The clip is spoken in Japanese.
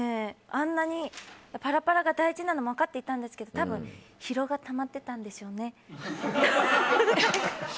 あんなにパラパラが大事なの分かっていたんですけど多分、疲労がたまってたんでしょうね。